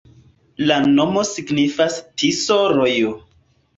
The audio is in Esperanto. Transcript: La nomo signifas: Tiso-rojo.